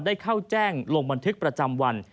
ได้เข้าแจ้งลงบันทึกประจำวัน